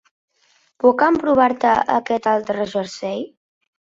Puc emprovar-te aquest altre jersei?